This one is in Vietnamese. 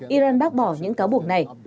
iran bác bỏ những cáo buộc này